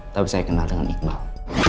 tapi saya kenal dengan iqbal